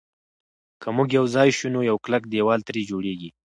که موږ یو ځای شو نو یو کلک دېوال ترې جوړېږي.